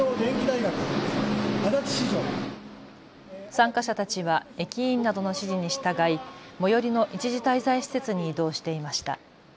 参加者たちは駅員などの指示に従い、最寄りの一時滞在施設に移動していました。